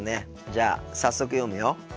じゃあ早速読むよ。